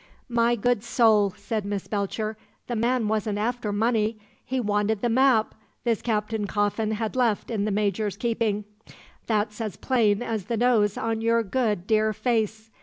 "My good soul," said Miss Belcher, "the man wasn't after money! He wanted the map this Captain Coffin had left in the Major's keeping. That's as plain as the nose on your good, dear face.